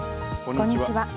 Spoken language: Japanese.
こんにちは。